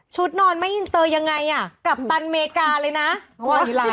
นอนไม่อินเตอร์ยังไงอ่ะกัปตันอเมริกาเลยนะ